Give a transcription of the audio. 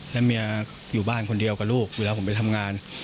แล้วเมียอยู่บ้านคนเดียวกับลูกเวลาผมไปทำงาน